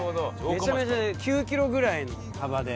めちゃめちゃ９キロぐらいの幅で。